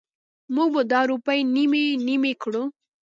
مونږ به دا روپۍ نیمې نیمې کړو.